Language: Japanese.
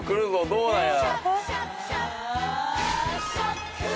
どうなんや？」